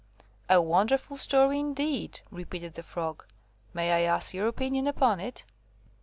"A wonderful story, indeed," repeated the Frog; "may I ask your opinion upon it?"